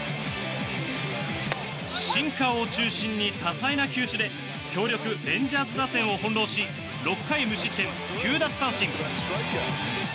シンカーを中心に多彩な球種で強力レンジャーズ打線を翻ろうし６回無失点９奪三振。